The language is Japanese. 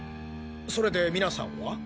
それで皆さんは？